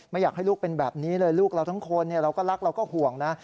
ไม่อยากให้ลูกเป็นแบบนี้เลยลูกเราทั้งคนเราก็รักเราก็ห่วงนะ